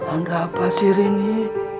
anda apa sih rini